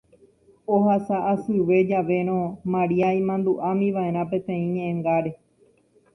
Ohasa asyve javérõ Maria imandu'ámiva'erã peteĩ ñe'ẽngáre